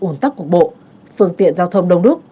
ủn tắc cục bộ phương tiện giao thông đông đúc